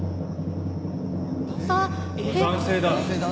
男性だ。